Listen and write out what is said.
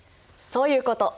そういうこと！